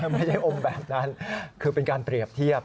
ไม่ใช่อมแบบนั้นคือเป็นการเปรียบเทียบ